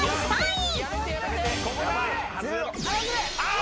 ３位